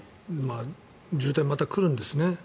渋滞、また来るんですね。